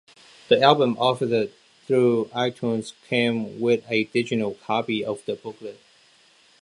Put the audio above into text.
The album offered through iTunes came with a digital copy of the booklet.